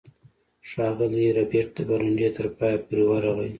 ښاغلی ربیټ د برنډې تر پایه پورې ورغی